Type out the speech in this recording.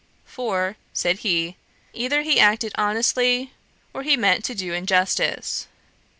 'For (said he,) either he acted honestly, or he meant to do injustice.